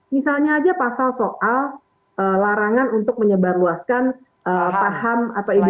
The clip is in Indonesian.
misalnya aja pasal soal larangan untuk menyebarluaskan paham atau ideologi yang berbeda